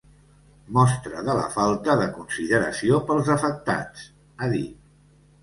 “Mostra de la falta de consideració pels afectats”, ha dit.